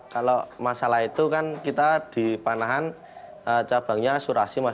kalau masalah itu kan kita di panahan cabangnya asurasi mas